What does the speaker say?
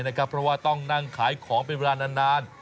เพราะว่าต้องนั่งขายของเป็นเวลานาน